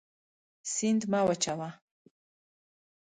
سیند مه وچوه.